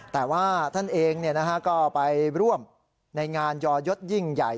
แต่ว่าท่านเองก็ไปร่วมในงานยอยศยิ่งใหญ่